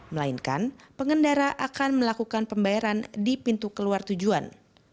melainkan pengendara akan melakukan pembayaran di pintu keluar tujuan